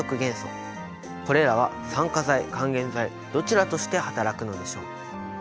これらは酸化剤還元剤どちらとして働くのでしょう？